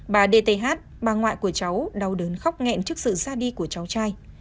bà d t h bà ngoại của cháu đau đớn khóc nghẹn trước sự ra đi của cháu trai